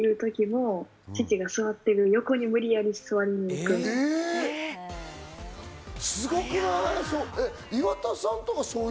すごくない？